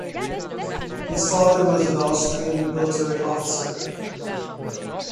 His father was an Austrian military officer.